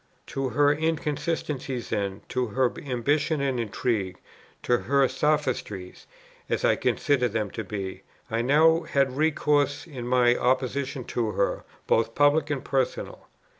To her inconsistencies then, to her ambition and intrigue, to her sophistries (as I considered them to be) I now had recourse in my opposition to her, both public and personal.